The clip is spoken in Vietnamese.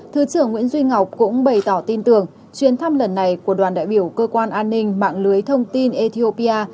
thứ trưởng nguyễn duy ngọc cũng bày tỏ tin tưởng chuyến thăm lần này của đoàn đại biểu cơ quan an ninh mạng lưới thông tin ethiopia